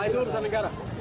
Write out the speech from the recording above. nah itu pesan negara